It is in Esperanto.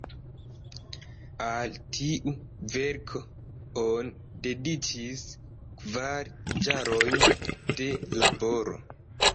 Al tiu verko oni dediĉis kvar jarojn de laboro.